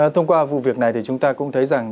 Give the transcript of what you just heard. thông qua vụ việc này thì chúng ta cũng thấy rằng